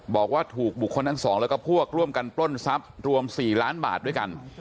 บอกว่าถูกบุคคลทั้งสองแล้วก็พวกร่วมกันปล้นทรัพย์รวม๔ล้านบาทด้วยกัน